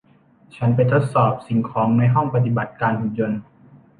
ฉันไปทดสอบสิ่งของในห้องปฏิบัติการหุ่นยนต์